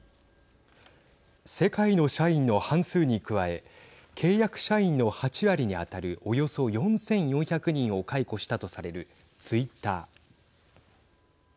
世界の社員の半数に加え契約社員の８割に当たるおよそ４４００人を解雇したとされるツイッター。